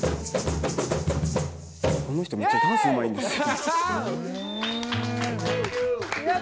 この人めっちゃダンスうまいんですよ。